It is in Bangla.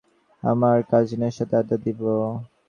আমি আমার কাজিনের সাথে আড্ডা দিবো।